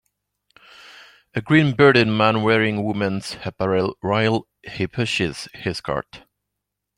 a green bearded man wearing women s apparel while he pushes his cart